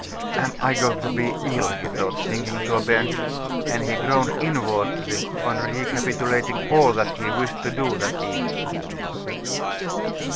"Am I going to be ill?" he thought, sinking on to a bench. And he groaned inwardly on recapitulating all that he wished to do that evening.